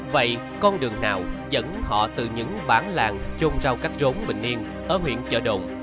vậy con đường nào dẫn họ từ những bán làng chôn rau cắt rốn bình yên ở huyện chợ độn